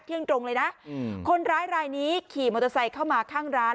เที่ยงตรงเลยนะคนร้ายรายนี้ขี่มอเตอร์ไซค์เข้ามาข้างร้าน